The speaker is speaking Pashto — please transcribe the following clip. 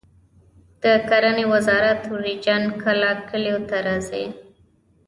د کرنې وزارت مروجین کله کلیو ته راځي؟